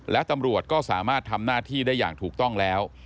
และตำรวจก็สามารถทำหน้าที่ได้อย่างถูกต้องแล้ว